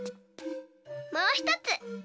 もうひとつ。